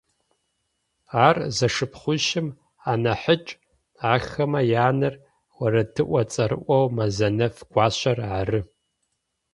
Ар зэшыпхъуищым анахьыкӏ, ахэмэ янэр орэдыӏо цӏэрыӏоу Мэзэнэф-Гуащэр ары.